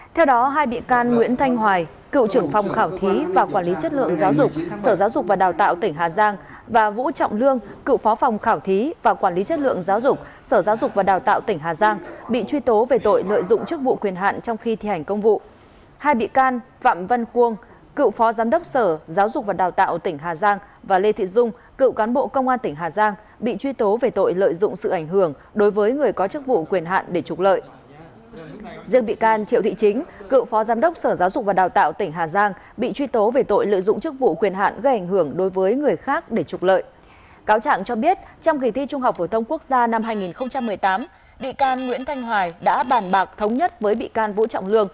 theo đó hai bị can nguyễn thanh hoài cựu trưởng phòng khảo thí và quản lý chất lượng giáo dục sở giáo dục và đào tạo tỉnh hà giang và vũ trọng lương cựu phó phòng khảo thí và quản lý chất lượng giáo dục sở giáo dục và đào tạo tỉnh hà giang bị truy tố về tội lợi dụng chức vụ quyền hạn trong khi thi hành công vụ